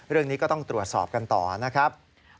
เรื่องนี้ก็ต้องตรวจสอบกันต่อนะครับ